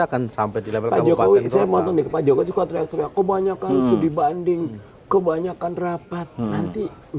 akan sampai tidak berapa saya mau kembali ke banyak dibanding kebanyakan rapat nanti